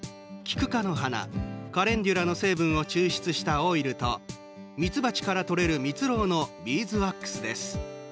キク科の花、カレンデュラの成分を抽出したオイルとミツバチから取れるみつろうのビーズワックスです。